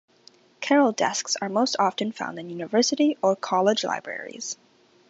Carrel desks are most often found in university or college libraries.